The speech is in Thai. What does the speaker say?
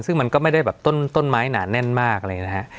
ซึ่งมันก็ไม่ได้แบบต้นไม้หนาแน่นมากเลยนะฮะ